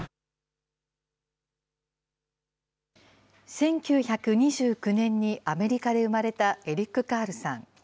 １９２９年にアメリカで生まれたエリック・カールさん。